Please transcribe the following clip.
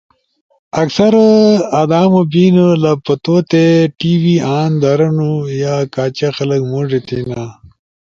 اکثر لامو بینو لی پتوتے ٹی وی آن درنو، یا کاچے خلق موڙے تھینا۔